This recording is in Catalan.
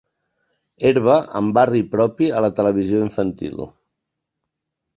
Herba amb barri propi a la televisió infantil.